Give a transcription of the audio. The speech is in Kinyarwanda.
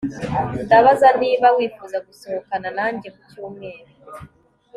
Ndabaza niba wifuza gusohokana nanjye kucyumweru